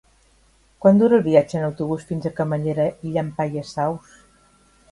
Quant dura el viatge en autobús fins a Camallera i Llampaies Saus?